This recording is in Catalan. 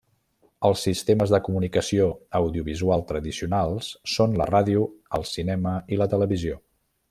Els sistemes de comunicació audiovisual tradicionals són la ràdio, el cinema i la televisió.